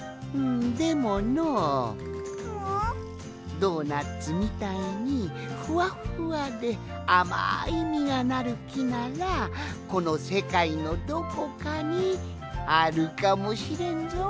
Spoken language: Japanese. ドーナツみたいにふわっふわであまいみがなるきならこのせかいのどこかにあるかもしれんぞい。